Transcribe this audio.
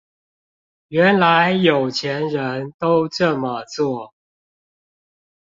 原來有錢人都這麼做